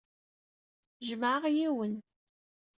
Jemɛeɣ yiwen.